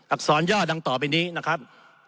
อรย่อดังต่อไปนี้นะครับ